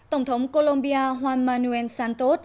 tổng thống colombia juan manuel santos